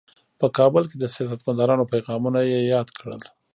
په کابل کې د سیاستمدارانو پیغامونه یې یاد کړل.